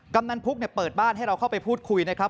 ำนันพุกเปิดบ้านให้เราเข้าไปพูดคุยนะครับ